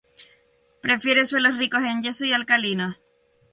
Prefiere suelos ricos en yeso y alcalinos.